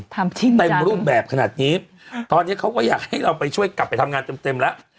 ทำชิ้นจำในรูปแบบขนาดนี้ตอนนี้เขาอยากให้เราไปช่วยกลับทำงานเต็มล่ะ